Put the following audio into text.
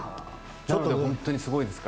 本当にすごいですから。